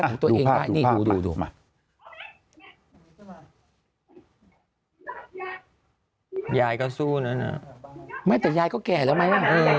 ของตัวเองได้นี่ดูดูดูยายก็สู้แล้วนะไม่แต่ยายก็แก่แล้วไหม